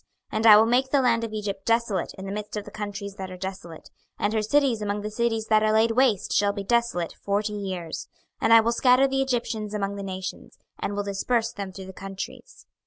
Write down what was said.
26:029:012 And I will make the land of Egypt desolate in the midst of the countries that are desolate, and her cities among the cities that are laid waste shall be desolate forty years: and I will scatter the Egyptians among the nations, and will disperse them through the countries.